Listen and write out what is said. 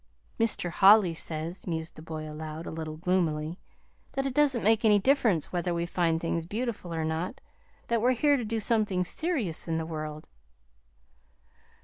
"Mr. Holly says," mused the boy, aloud, a little gloomily, "that it doesn't make any difference whether we find things beautiful or not; that we're here to do something serious in the world."